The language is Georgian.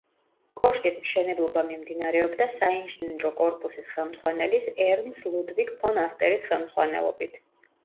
კოშკის მშენებლობა მიმდინარეობდა საინჟინრო კორპუსის ხელმძღვანელის ერნს ლუდვიგ ფონ ასტერის ხელმძღვანელობით.